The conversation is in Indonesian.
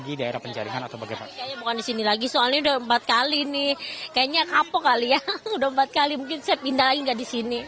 udah empat kali mungkin saya pindahin gak di sini